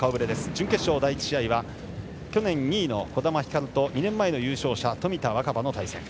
準決勝第１試合は去年２位の児玉ひかると２年前の優勝者、冨田若春の対戦。